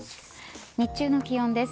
日中の気温です。